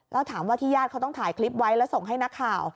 แล้วถามว่าที่ญาติเขาต้องถ่ายคลิปไว้แล้วส่งให้นักข่าว